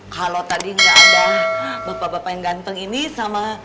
kalau tadi nggak ada bapak bapak yang ganteng ini sama